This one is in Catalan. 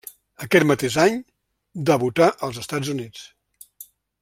Aquest mateix any, debutà als Estats Units.